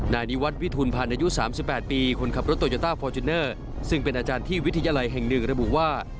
นายนิวัติวิทุณภัณฑ์อายุ๓๘ปีคนขับรถโตยอต้าฟอร์จินเนอร์ซึ่งเป็นอาจารย์ที่วิทยาลัยแห่ง๑ระบุว่า